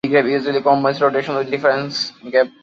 Indy Grab usually combine rotation with different grabs.